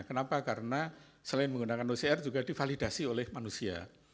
kenapa karena selain menggunakan ocr juga divalidasi oleh manusia